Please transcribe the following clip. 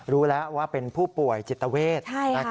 รู้แล้วว่าเป็นผู้ป่วยจิตเวท